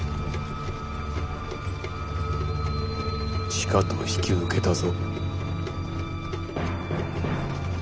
しかと引き受けたぞ。